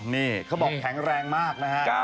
นี่เขาบอกแข็งแรงมากนะฮะ